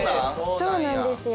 そうなんですよ。